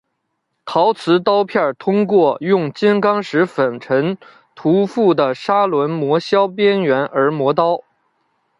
陶瓷刀片通过用金刚石粉尘涂覆的砂轮磨削边缘而磨刀。